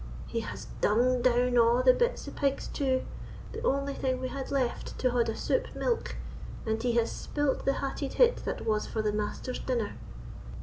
"He has dung down a' the bits o' pigs, too—the only thing we had left to haud a soup milk—and he has spilt the hatted hit that was for the Master's dinner.